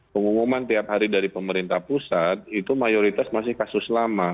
pengumuman tiap hari dari pemerintah pusat itu mayoritas masih kasus lama